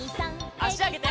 あしあげて。